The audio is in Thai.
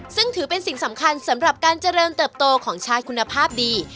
ซึ่งถือเป็นสิ่งสำคัญสำหรับการเจริญเติบโตของชาติคุณภาพดี